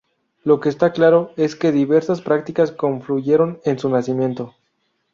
Lo que está claro es que diversas prácticas confluyeron en su nacimiento.